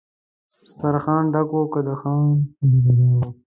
سترخان ډک و که د خان که د ګدا وو